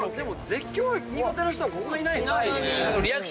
絶叫苦手な人はここはいないですね。